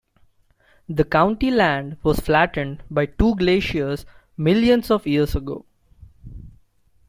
The county land was flattened by two glaciers millions of years ago.